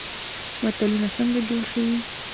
متلونه څنګه جوړ شوي؟